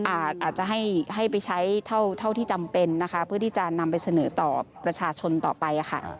อาจจะให้ไปใช้เท่าที่จำเป็นนะคะเพื่อที่จะนำไปเสนอต่อประชาชนต่อไปค่ะ